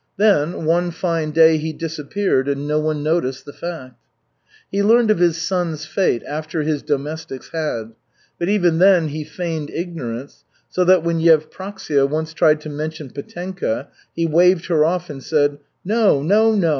Then, one fine day he disappeared, and no one noticed the fact. He learned of his son's fate after his domestics had. But even then he feigned ignorance, so that when Yevpraksia once tried to mention Petenka, he waved her off and said: "No, no, no!